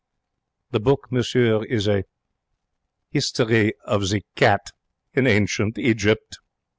The book, monsieur, is a '_Istory of the Cat in Ancient Egypt.